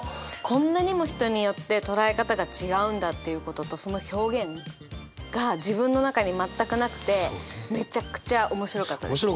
こんなにも人によって捉え方が違うんだっていうこととその表現が自分の中に全くなくて面白かったね。